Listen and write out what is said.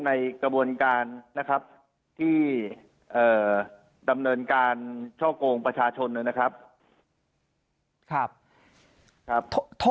ในกระบวนการนะครับที่ดำเนินการช่อกงประชาชนนะครับ